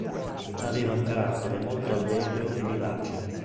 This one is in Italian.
Aveva un carattere molto allegro e vivace.